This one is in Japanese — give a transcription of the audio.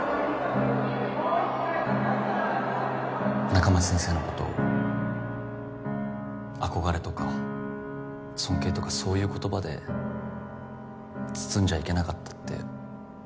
仲町先生のこと憧れとか尊敬とかそういう言葉で包んじゃいけなかったって